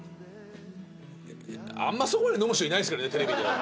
あんまそこまで飲む人いないですけどねテレビで。